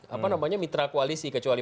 apa namanya mitra koalisi kecuali